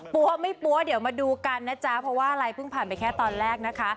ไม่ปั๊วเดี๋ยวมาดูกันนะจ๊ะเพราะว่าอะไรเพิ่งผ่านไปแค่ตอนแรกนะคะ